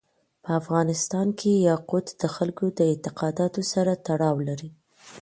په افغانستان کې یاقوت د خلکو د اعتقاداتو سره تړاو لري.